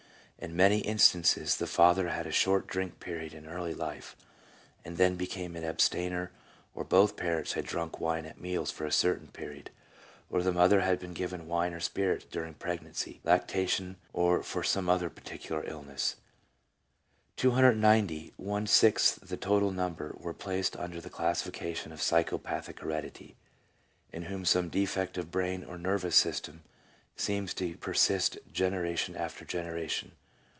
In many instances the father had a short drink period in early life and then became an abstainer, or both parents had drunk wine at meals for a certain period, or the mother had been given wine or spirits during pregnancy, lactation, or for some particular illness." 290, one sixth the total number, were placed under the classification of psychopathic heredity, "in whom some defect of brain or nervous system seems to persist generation after generation."